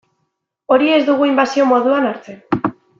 Hori ez dugu inbasio moduan hartzen.